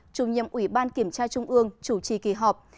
chủ nhiệm ủy ban kiểm tra trung ương chủ trì kỳ họp